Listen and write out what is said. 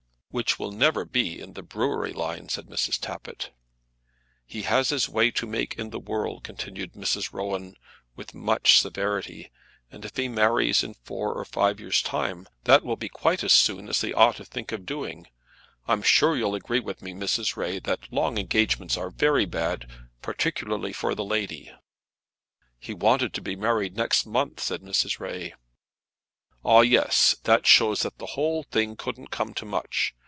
"Which will never be in the brewery line," said Mrs. Tappitt. "He has his way to make in the world," continued Mrs. Rowan, with much severity; "and if he marries in four or five years' time, that will be quite as soon as he ought to think of doing. I'm sure you will agree with me, Mrs. Ray, that long engagements are very bad, particularly for the lady." "He wanted to be married next month," said Mrs. Ray. "Ah, yes; that shows that the whole thing couldn't come to much.